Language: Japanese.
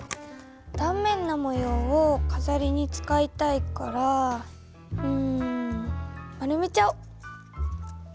断面のもようをかざりに使いたいからうん丸めちゃおう。